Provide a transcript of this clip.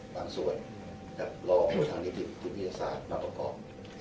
หลังส่วนทางนิพิธีภิกษามาประกอบ